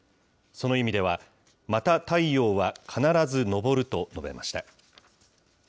その意味では、また太陽は必ず昇ると述べました。